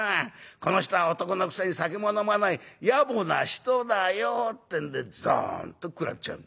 『この人は男のくせに酒も飲まないやぼな人だよ』ってんでざんっと食らっちゃう」。